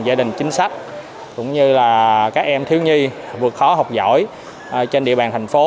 gia đình chính sách cũng như là các em thiếu nhi vượt khó học giỏi trên địa bàn thành phố